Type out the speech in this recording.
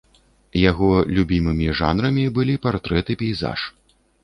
Яго любімымі жанрамі былі партрэт і пейзаж.